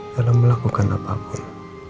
dalam melakukan apapun